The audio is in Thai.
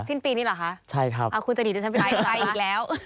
สิ้นปีนี้หรอคะคุณจะหยิดให้ฉันไปอีกแล้ว